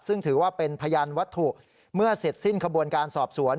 ซึ่งถือว่าเป็นพยานวัตถุเมื่อเสร็จสิ้นขบวนการสอบสวน